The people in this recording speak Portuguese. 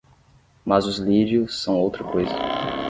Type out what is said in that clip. Mas os lírios são outra coisa.